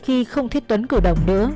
khi không thích tuấn cử động nữa